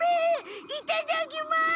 いただきます！